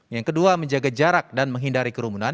yang kedua menjaga jarak dan menghindari kerumunan